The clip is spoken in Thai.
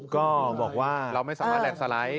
ก็บอกว่าเราไม่สามารถแลกสไลด์